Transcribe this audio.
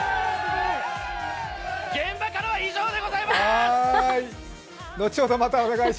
現場からは以上でございまーす！！